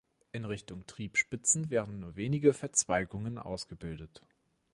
In Richtung Triebspitzen werden nur wenige Verzweigungen ausgebildet.